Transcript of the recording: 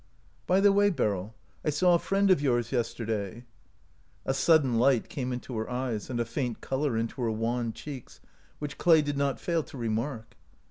" By the way, Beryl, I saw a friend of yours yesterday." A sudden light came into her eyes and a faint color into her wan cheeks, which Clay did not fail to remark.